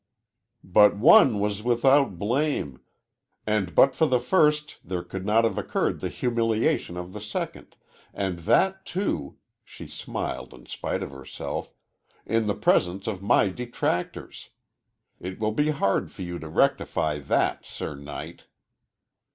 "But one was without blame, and but for the first there could not have occurred the humiliation of the second, and that, too" she smiled in spite of herself "in the presence of my detractors. It will be hard for you to rectify that, Sir Knight!"